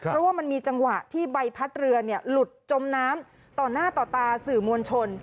เพราะว่ามันมีจังหวะที่ใบพัดเรือหลุดจมน้ำต่อหน้าต่อตาสื่อมวลชน